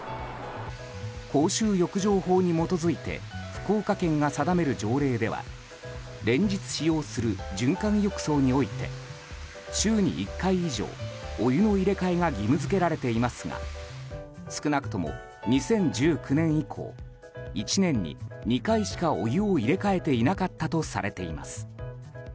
公衆浴場法に基づいて福岡県が定める条例では連日使用する循環浴槽において週に１回以上、お湯の入れ替えが義務付けられていますが少なくとも２０１９年以降１年に２回しかお湯を入れ替えていなかったとされています。